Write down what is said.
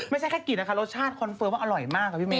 ไม่ใช่แค่กลิ่นนะคะรสชาติคอนเฟิร์มว่าอร่อยมากค่ะพี่เม